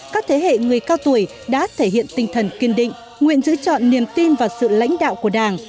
các thế hệ người cao tuổi đã thể hiện tinh thần kiên định nguyện giữ trọn niềm tin vào sự lãnh đạo của đảng